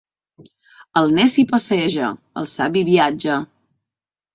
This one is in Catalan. El neci passeja, el savi viatja.